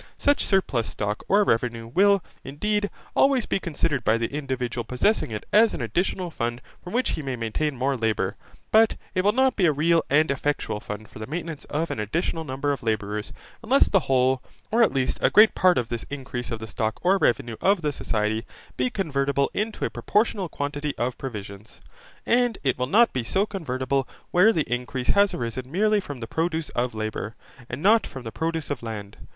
Such surplus stock or revenue will, indeed, always be considered by the individual possessing it as an additional fund from which he may maintain more labour: but it will not be a real and effectual fund for the maintenance of an additional number of labourers, unless the whole, or at least a great part of this increase of the stock or revenue of the society, be convertible into a proportional quantity of provisions; and it will not be so convertible where the increase has arisen merely from the produce of labour, and not from the produce of land.